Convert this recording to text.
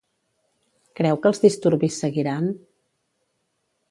Creu que els disturbis seguiran?